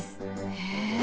へえ！